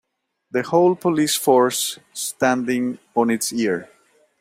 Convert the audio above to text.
The whole police force standing on it's ear.